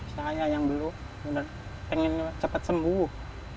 saya yang belum pengen cepat sembuh